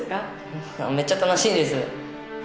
めっちゃ楽しいです！